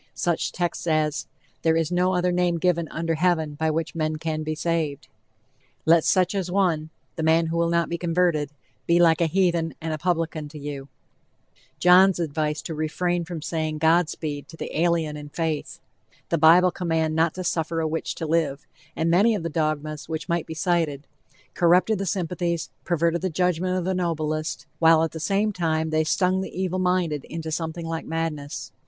Such texts as, "there is no other named given under heaven by which men can be saved;" "Let such an one (the man who will not be converted) be like a heathen and a publican to you;" John's advice to refrain from saying "God speed" to the alien in faith; the bible command not to "suffer a witch to live;" and many of the dogmas which might be cited, corrupted the sympathies, perverted the judgment of the noblest, while at the same time they stung the evil minded into something like madness.